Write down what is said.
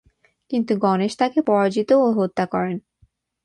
কিন্তু গণেশ তাকে পরাজিত ও হত্যা করেন।